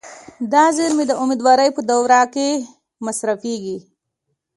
دا زیرمې د امیدوارۍ په دوره کې مصرفېږي.